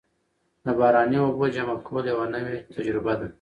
د باراني اوبو جمع کول یوه نوې تجربه ده.